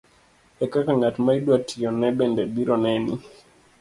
e kaka ng'at ma idwa tiyone bende biro neni.